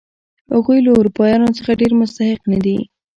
هغوی له اروپایانو یې ډېر مستحق نه دي.